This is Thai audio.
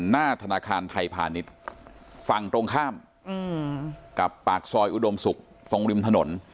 หน้าธนาคารไทยพาณิชย์ฝั่งตรงข้ามกับปากซอยอุดมศุกร์ตรงริมถนน